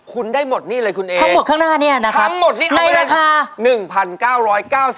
คุณได้หมดนี่เลยคุณเองทั้งหมดข้างหน้าเนี่ยนะครับทั้งหมดนี้ในราคา๑๙๙บาท